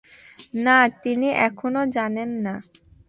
না, তিনি এখনো জানেন না।